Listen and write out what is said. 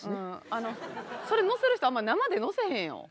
あのそれ乗せる人あんま生で乗せへんよ。